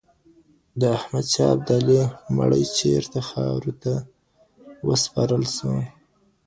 د احمد شاه ابدالي مړی چیرته خاورو ته وسپارل سو؟